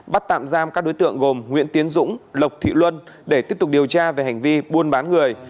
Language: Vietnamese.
bắt tạm giam các đối tượng gồm nguyễn tiến dũng lộc thị luân để tiếp tục điều tra về hành vi buôn bán người